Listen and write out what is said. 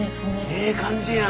ええ感じやん。